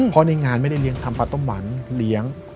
เพราะในงานไม่ได้เลี้ยงทำปลาต้มหวานเลี้ยง